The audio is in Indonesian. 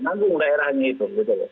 nanggung daerahnya itu